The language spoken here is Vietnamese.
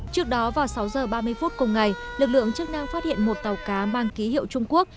trước đó vào sáu h ba mươi phút cùng ngày lực lượng chức năng phát hiện một tàu cá mang ký hiệu trung quốc